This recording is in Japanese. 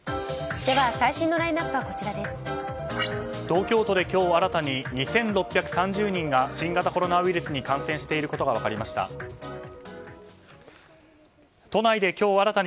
東京都で今日新たに２６３０人が新型コロナウイルスに感染していることが分かりました。